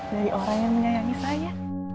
dari orang yang menyayangi saya